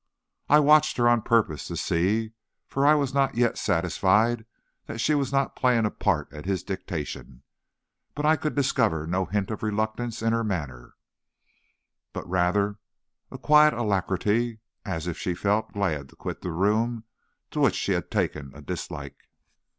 I watched her on purpose to see, for I was not yet satisfied that she was not playing a part at his dictation, but I could discover no hint of reluctance in her manner, but rather a quiet alacrity, as if she felt glad to quit a room to which she had taken a dislike.